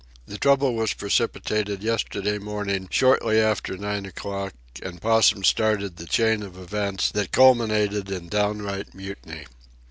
The trouble was precipitated yesterday morning shortly after nine o'clock, and Possum started the chain of events that culminated in downright mutiny.